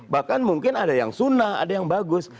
bahkan mungkin ada yang sunnah ada yang bagus